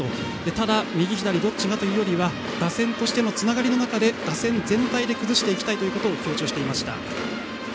ただ、右左どっちがというよりは打線のつながりというよりは打線全体で崩していきたいということを強調していました。